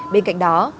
bên cạnh đó